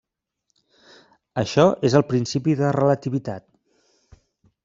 Això és el principi de relativitat.